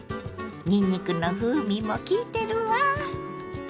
にんにくの風味もきいてるわ。